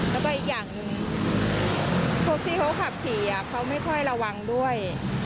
แล้วก็อีกอย่างหนึ่งพวกที่เขาขับขี่เขาไม่ค่อยระวังด้วย